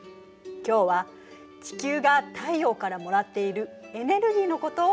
今日は地球が太陽からもらっているエネルギーのことをお話ししましょう。